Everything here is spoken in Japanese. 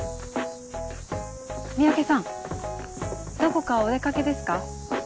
三宅さんどこかお出掛けですか？